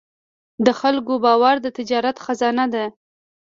د خلکو باور د تجارت خزانه ده.